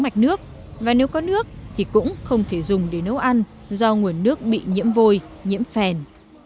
mạch nước và nếu có nước thì cũng không thể dùng để nấu ăn do nguồn nước bị nhiễm vôi nhiễm phèn